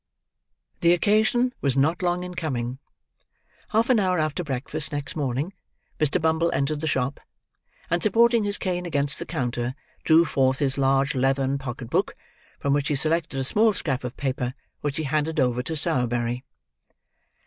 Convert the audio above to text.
The occasion was not long in coming. Half an hour after breakfast next morning, Mr. Bumble entered the shop; and supporting his cane against the counter, drew forth his large leathern pocket book: from which he selected a small scrap of paper, which he handed over to Sowerberry.